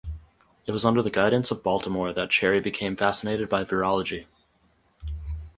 It was under the guidance of Baltimore that Cherry became fascinated by virology.